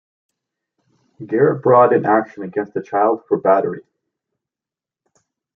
Garratt brought an action against the child for battery.